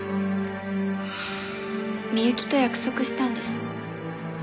美雪と約束したんです。